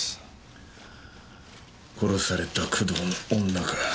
殺された工藤の女か。